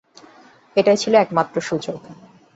এটাই ছিল একমাত্র সুযোগ।